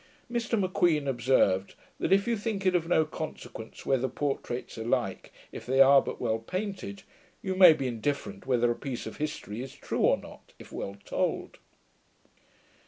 Mr M'Queen observed, that if you think it of no consequence whether portraits are like, if they are but well painted, you may be indifferent whether a piece of history is true or not, if well told.